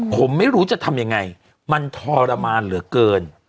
ผมไม่รู้จะทำยังไงมันทรมานเหลือเกิน